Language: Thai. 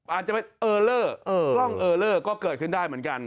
อาจมีกล้องเออเลอร์ก็เกิดขึ้นได้เหมือนกัน